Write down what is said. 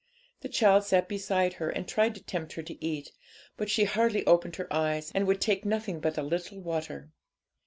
The child sat beside her, and tried to tempt her to eat, but she hardly opened her eyes, and would take nothing but a little water.